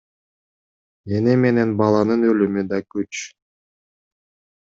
Эне менен баланын өлүмү да күч.